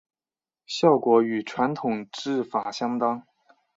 效果与传统制法相当。